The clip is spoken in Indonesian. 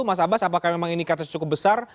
mas abbas apakah memang ini kata cukup besar